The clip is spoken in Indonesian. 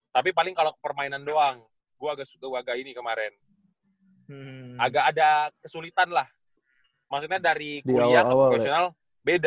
tapi paling kalau permainan doang gue agak suka waga ini kemarin agak ada kesulitan lah maksudnya dari kuliah ke profesional beda